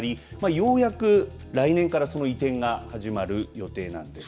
ようやく来年からその移転が始まる予定なんです。